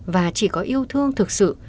và chỉ có yêu thương thực sự